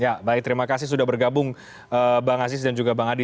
ya baik terima kasih sudah bergabung bang aziz dan juga bang adi